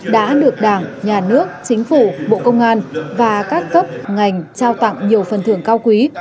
đã được đảng nhà nước chính phủ bộ công an và các cấp ngành trao tặng nhiều phần thưởng cao quý